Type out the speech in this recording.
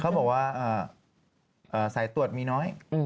เขาบอกว่าสายตรวจมีน้อย